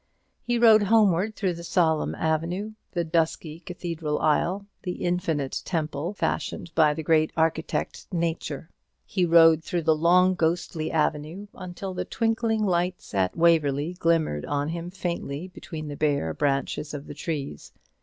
He rode homeward through the solemn avenue, the dusky cathedral aisle, the infinite temple, fashioned by the great architect Nature. He rode through the long ghostly avenue, until the twinkling lights at Waverly glimmered on him faintly between the bare branches of the trees.